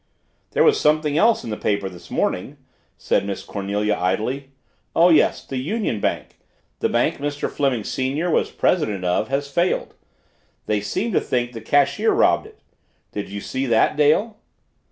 "There was something else in the paper this morning," said Miss Cornelia idly. "Oh, yes the Union Bank the bank Mr. Fleming, Senior, was president of has failed. They seem to think the cashier robbed it. Did you see that, Dale?"